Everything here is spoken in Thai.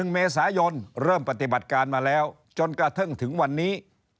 ๑เมษายนเริ่มปฏิบัติการมาแล้วจนกระทั่งถึงวันนี้